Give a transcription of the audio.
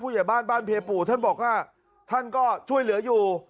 ใหญ่บ้านบ้านเพปู่ท่านบอกว่าท่านก็ช่วยเหลืออยู่